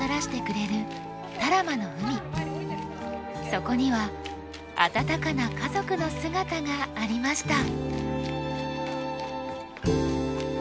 そこには温かな家族の姿がありました。